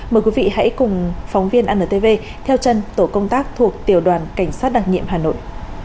mời quý vị hãy cùng phóng viên antv theo chân tổ công tác thuộc tiểu đoàn cảnh sát đặc nhiệm hà nội